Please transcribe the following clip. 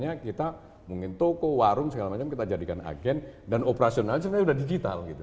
makanya kita mungkin toko warung segala macam kita jadikan agen dan operasionalnya sebenarnya sudah digital gitu